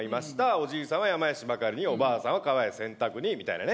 おじいさんは山へしば刈りにおばあさはんは川へ洗濯にみたいなね。